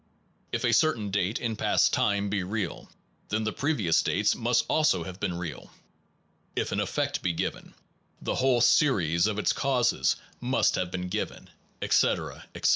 If a certain date in past time be real, then the previous dates must also have been real. If an effect be given, the whole series of its causes must have been given, etc., etc.